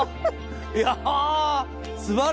いや！